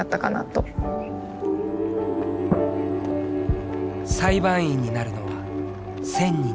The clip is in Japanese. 裁判員になるのは１０００人に１人。